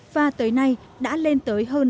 và tới nay đã lên tới hơn